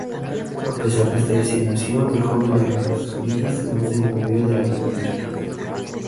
A pesar de esta designación, el joven Errázuriz no se movió de la península.